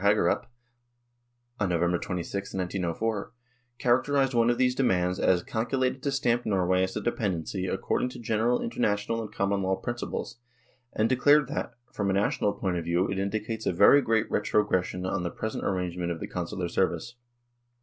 Hagerup, on November 26, 1904, characterised one of these demands as " calculated to stamp Norway as a dependency according to general inter national and common law principles," and declared that " from a national point of view it indicates a very great retrogression on the present arrangement of the Consular service."